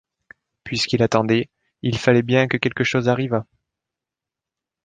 Puisqu’il attendait, il fallait bien que quelque chose arrivât.